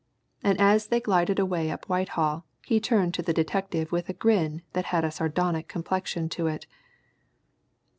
And as they glided away up Whitehall he turned to the detective with a grin that had a sardonic complexion to it.